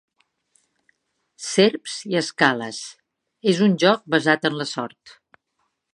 "Serps i escales" és un joc basat en la sort.